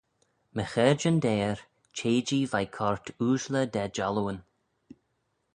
My chaarjyn deyr, çhea-jee veih coyrt ooashley da jallooyn.